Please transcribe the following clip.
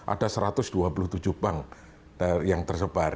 ada satu ratus dua puluh tujuh bank yang tersebar